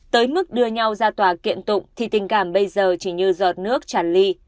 tới mức đưa nhau ra tòa kiện tụng thì tình cảm bây giờ chỉ như giọt nước chản ly